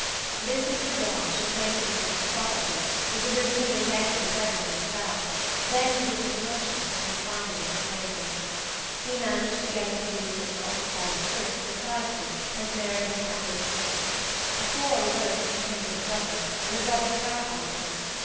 This Mr. Dodge, who claimed me as his property, was originally a Yankee pedler in the south; then he became a merchant, and finally a slaveholder. He managed to get introduced into what was called the first society, and married Miss Emily Flint. A quarrel arose between him and her brother, and the brother cowhided him.